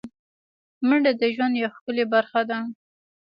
منډه د ژوند یوه ښکلی برخه ده